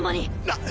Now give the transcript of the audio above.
なっ！